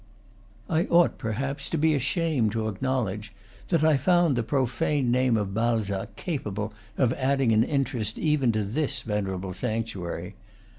I ought, perhaps, to be ashamed to acknowledge, that I found the profane name of Balzac capable of adding an interest even to this venerable sanctuary.